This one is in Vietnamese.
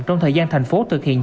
trong thời gian thành phố